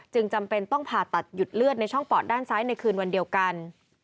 จำเป็นต้องผ่าตัดหยุดเลือดในช่องปอดด้านซ้ายในคืนวันเดียวกัน